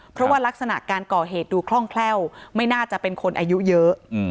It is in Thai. เพราะว่ารักษณะการก่อเหตุดูคล่องแคล่วไม่น่าจะเป็นคนอายุเยอะ